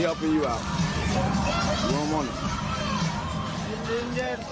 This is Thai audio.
เธอเปิดคุณออกไป